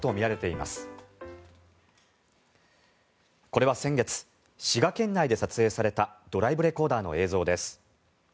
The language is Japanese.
これは先月滋賀県内で撮影されたドライブレコーダーの映像です。